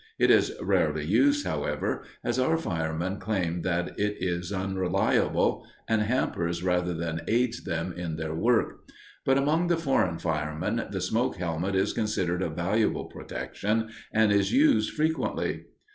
It is rarely used, however, as our firemen claim that it is unreliable, and hampers rather than aids them in their work. But among the foreign firemen the smoke helmet is considered a valuable protection, and is used frequently.